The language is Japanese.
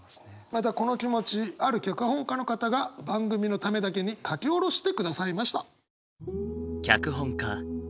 またこの気持ちある脚本家の方が番組のためだけに書き下ろしてくださいました。